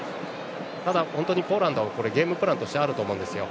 ただ、本当にポーランドはゲームプランとしてあると思うんですよ。